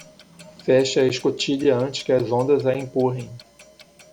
Feche a escotilha antes que as ondas a empurrem.